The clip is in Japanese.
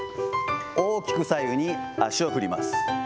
大きく左右に足を振ります。